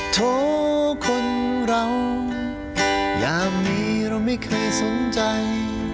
โทษคนเรายามมีเราไม่เคยสนใจ